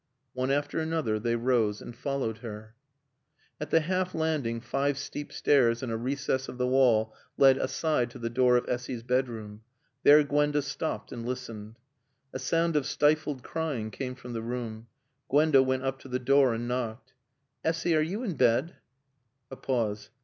One after another, they rose and followed her. At the half landing five steep steps in a recess of the wall led aside to the door of Essy's bedroom. There Gwenda stopped and listened. A sound of stifled crying came from the room. Gwenda went up to the door and knocked. "Essy, are you in bed?" A pause.